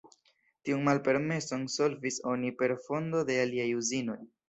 Tiun malpermeson solvis oni per fondo de aliaj uzinoj.